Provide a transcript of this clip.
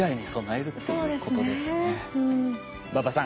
馬場さん